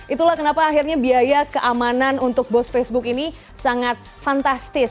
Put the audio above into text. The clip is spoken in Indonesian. itulah kenapa akhirnya biaya keamanan untuk bos facebook ini sangat fantastis